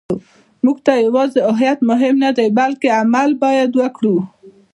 موږ ته یوازې هویت مهم نه دی، بلکې عمل باید وکړو.